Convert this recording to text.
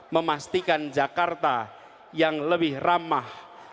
memastikan jakarta yang lebih ramah rimah dan baik